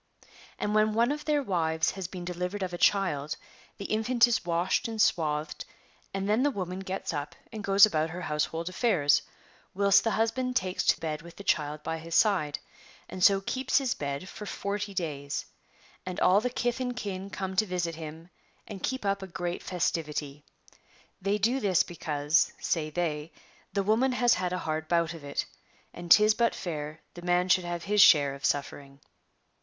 * yVnd when one of their wives has been delivered of a child, the infant is washed and swathed, and then the woman gets u}) and goes about her household affairs, whilst the husband takes to bed with the child by his side, and so keeps his bed for 40 days ; and all the kith and kin come to visit him and keep up a great festivity. They do this because, say they, the woman has had a hard bout of it, and 'tis but fair the man shoukl have his share of suffering.'